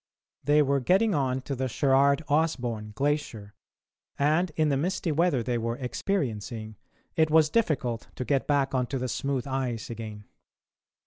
They were getting on to the Sherard Osborne Glacier, and, in the misty weather they were experiencing, it was difficult to get back on to the smooth ice again.